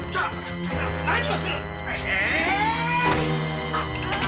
何をする！